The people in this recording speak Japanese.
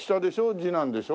次男でしょ